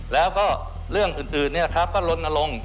แล้วก็เรื่องอื่นก็ลนลง